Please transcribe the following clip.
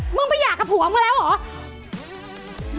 มึงไปหย่ากับผัวมึงแล้วเหรอ